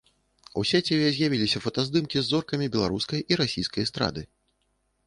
У сеціве з'явіліся фотаздымкі з зоркамі беларускай і расійскай эстрады.